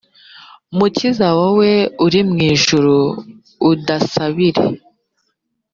mukiza wowe uri mu ijuru udasabire